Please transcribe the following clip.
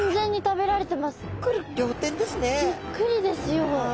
びっくりですよ。